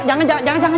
jangan jangan jangan